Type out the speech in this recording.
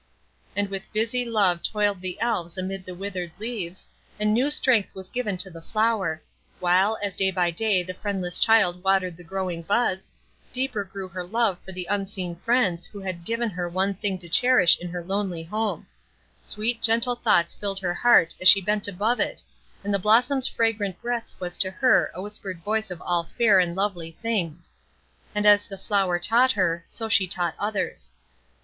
And with busy love toiled the Elves amid the withered leaves, and new strength was given to the flower; while, as day by day the friendless child watered the growing buds, deeper grew her love for the unseen friends who had given her one thing to cherish in her lonely home; sweet, gentle thoughts filled her heart as she bent above it, and the blossom's fragrant breath was to her a whispered voice of all fair and lovely things; and as the flower taught her, so she taught others.